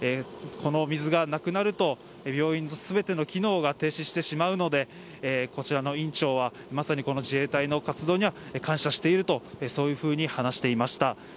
この水がなくなると病院の全ての機能が停止してしまうのでこちらの院長はまさにこの自衛隊の活動には感謝しているとそういうふうに話していました。